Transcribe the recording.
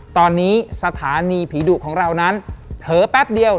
ตอนนี้สถานีผีดุของเรานั้นเผลอแป๊บเดียว